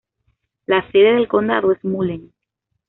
La sede del condado es Mullen.